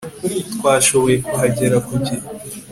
Twashoboye kuhagera ku gihe